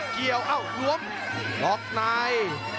เกี่ยวอ้าวหวบหลอกนาย